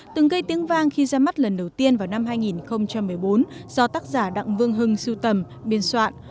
từng gây tiếng vang khi ra mắt lần đầu tiên vào năm hai nghìn một mươi bốn do tác giả đặng vương hưng siêu tầm biên soạn